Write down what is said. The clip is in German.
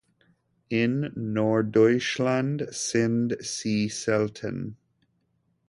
In Norddeutschland sind sie selten.